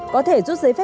có thể rút giấy phạm